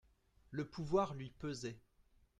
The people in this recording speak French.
Le pouvoir lui pesait.